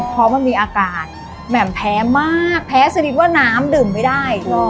เพราะมันมีอากาศแหม่มแพ้มากแพ้ชนิดว่าน้ำดื่มไม่ได้